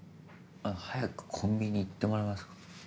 早くコンビニ行ってもらえますか？